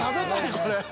これ。